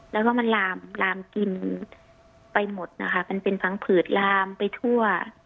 แล้วก็มันลามลามกินไปหมดนะคะมันเป็นพังผืดลามไปทั่ว